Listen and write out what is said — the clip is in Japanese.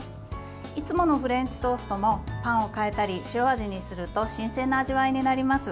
いつものフレンチトーストもパンを変えたり塩味にすると新鮮な味わいになります。